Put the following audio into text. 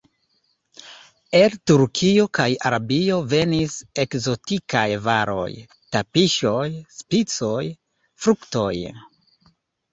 El Turkio kaj Arabio venis ekzotikaj varoj: tapiŝoj, spicoj, fruktoj.